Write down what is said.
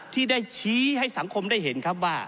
ที่ได้ชี้ให้สังคมได้เห็นครับว่า